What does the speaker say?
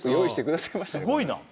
すごいな。